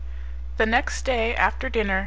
The next day, after dinner, M.